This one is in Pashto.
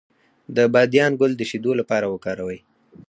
د بادیان ګل د شیدو لپاره وکاروئ